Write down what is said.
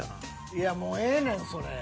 いやもうええねんそれ。